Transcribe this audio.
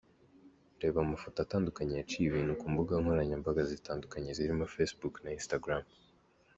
Reba amafoto atandukanye yaciye ibintu ku mbuga nkoranyambaga zitandukanye zirimo facebook ,na Instagram.